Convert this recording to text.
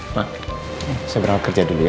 udah bisa berangkat kerja dulu ya